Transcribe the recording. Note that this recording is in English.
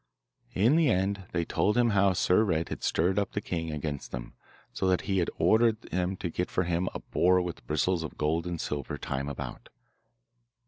In the end they told him how Sir Red had stirred up the king against them, so that he had ordered them to get for him a boar with bristles of gold and silver time about.